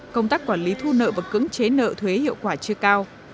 công tác quản lý thu nợ và cưỡng chế nợ thuế hiệu quả chưa cao